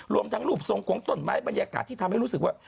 รวมทั้งรูปทรงของต้นไม้บรรยากาศที่ทำให้รู้สึกว่า